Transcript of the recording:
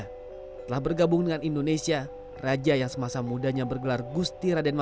setelah bergabung dengan indonesia raja yang semasa mudanya bergelar gusti raden marta